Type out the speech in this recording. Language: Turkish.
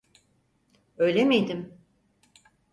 Öyle miydim?